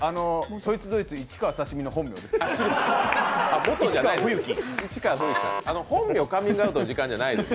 そいつどいつの市川刺身の本名です。